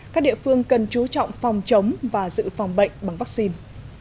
các địa phương cần chú trọng phòng chống và giữ phòng bệnh bằng vaccine